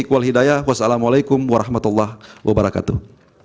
wassalamu alaikum warahmatullah wabarakatuh